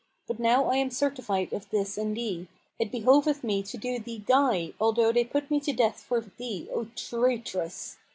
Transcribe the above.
But now I am certified of this in thee, it behoveth me to do thee die although they put me to death for thee, O traitress!"